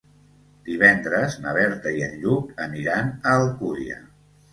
Divendres na Berta i en Lluc aniran a Alcúdia.